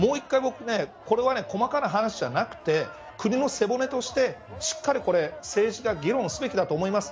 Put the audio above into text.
もう一回、僕これは細かな話じゃなくて国の背骨として、しっかり政治が議論すべきだと思います。